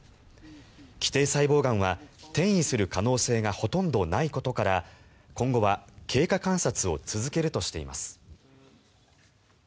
基底細胞がんは転移する可能性がほとんどないことから今後は経過観察を続けるとしています。